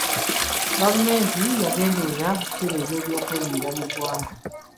Gavumenti yagenderera okutereeza ebyokwerinda mu ggwanga.